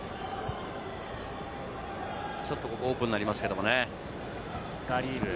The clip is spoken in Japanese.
ちょっとここオープンになりますね。